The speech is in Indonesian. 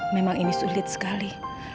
memang ini sulit sekali